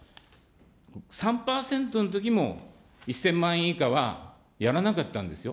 ３％のときも１０００万円以下はやらなかったんですよ。